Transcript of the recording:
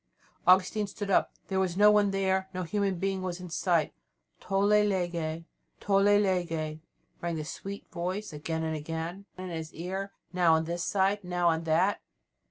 Augustine stood up. There was no one there; no human being was in sight. "Tolle, lege; tolle, lege," rang the sweet voice again and again in his ear, now on this side, now on that.